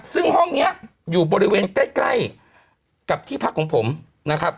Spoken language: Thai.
ซึ่งห้องนี้อยู่บริเวณใกล้กับที่พักของผมนะครับ